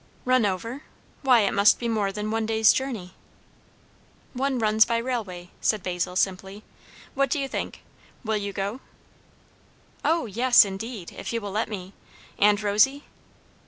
"Run over? Why, it must be more than one day's journey?" "One runs by railway," said Basil simply. "What do you think? Will you go?" "O yes, indeed! if you will let me. And Rosy?"